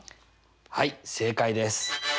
はい正解です！